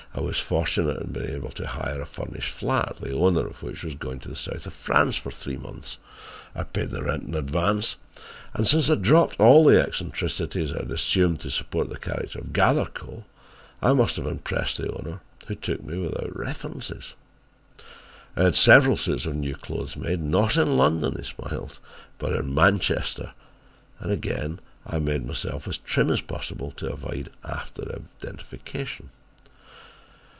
I was fortunate in being able to hire a furnished flat, the owner of which was going to the south of France for three months. I paid the rent in advance and since I dropped all the eccentricities I had assumed to support the character of Gathercole, I must have impressed the owner, who took me without references. "I had several suits of new clothes made, not in London," he smiled, "but in Manchester, and again I made myself as trim as possible to avoid after identification.